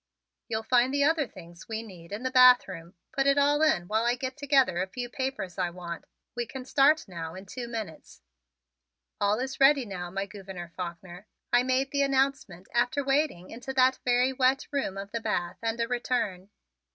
"You'll find the other things we need in the bathroom. Put it all in while I get together a few papers I want. We can start now in two minutes." "All is ready now, my Gouverneur Faulkner," I made the announcement after a wading into that very wet room of the bath and a return.